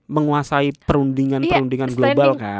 menguasai perundingan global kan